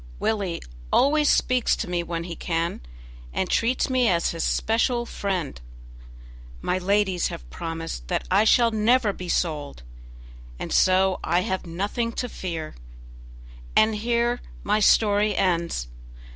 Willie always speaks to me when he can, and treats me as his special friend. My ladies have promised that I shall never be sold, and so I have nothing to fear; and here my story ends.